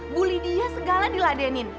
bu lydia segala diladenin